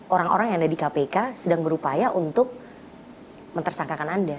orang orang yang ada di kpk sedang berupaya untuk mentersangkakan anda